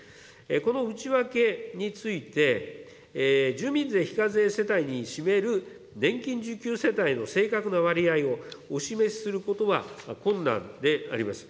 この内訳について、住民税非課税世帯に占める年金受給世帯の正確な割合をお示しすることは困難であります。